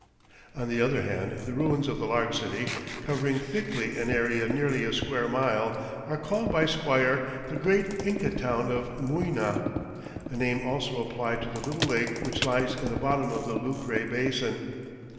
On the other hand, the ruins of the large city, "covering thickly an area nearly a square mile," are called by Squier "the great Inca town of Muyna," a name also applied to the little lake which lies in the bottom of the Lucre Basin.